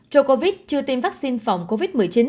ro covid chưa tiêm vaccine phòng covid một mươi chín